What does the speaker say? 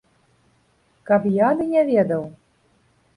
Каб я ды не ведаў?